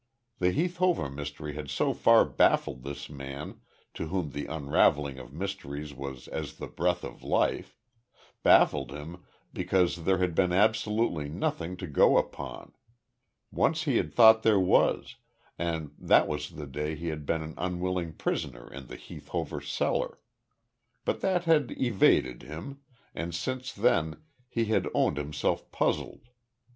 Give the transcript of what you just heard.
The Heath Hover mystery had so far baffled this man to whom the unravelling of mysteries was as the breath of life, baffled him because there had been absolutely nothing to go upon. Once he had thought there was, and that was the day he had been an unwilling prisoner in the Heath Hover cellar. But that had evaded him, and since then he had owned himself puzzled.